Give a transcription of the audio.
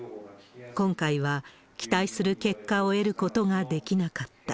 今回は期待する結果を得ることができなかった。